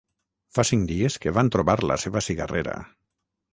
Fa cinc dies que van trobar la seva cigarrera.